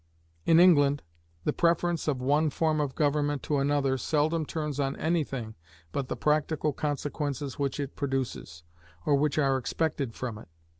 In England, the preference of one form of government to another seldom turns on anything but the practical consequences which it produces, or which are expected from it.